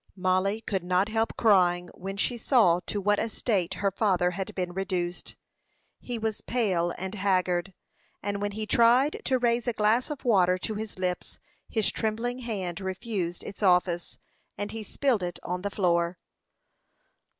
Mollie could not help crying when she saw to what a state her father had been reduced. He was pale and haggard; and when he tried to raise a glass of water to his lips his trembling hand refused its office, and he spilled it on the floor.